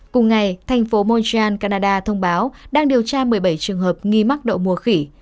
cùng ngày thành phố monjan canada thông báo đang điều tra một mươi bảy trường hợp nghi mắc đậu mùa khỉ